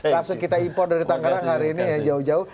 langsung kita impor dari tangerang hari ini ya jauh jauh